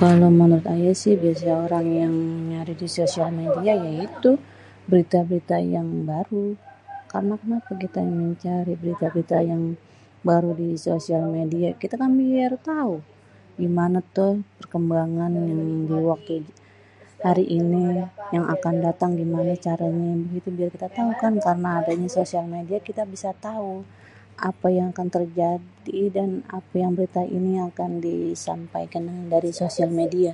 Kalo menurut aye si biasa orang yang nyari di social media ya itu berita-berita yang baru, karena kenape kita cari berita-berita yang baru disocial media kitakan biar tau gimane toh perkembangan yang diwaktu hari ini yang akan datang gimane toh caranye begitu biar kita tau kan karena adanye social media kita bisa tau apa yang akan terjadi dan apa yang akan berita ini yang akan di sampaikan dari social media.